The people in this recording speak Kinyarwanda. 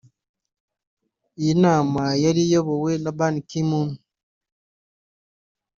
Iyi inama yari iyobowe na Ban-Ki-Moon